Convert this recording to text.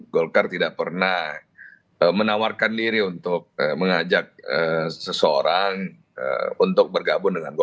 golkar tidak pernah menawarkan diri untuk mengajak seseorang untuk bergabung dengan golkar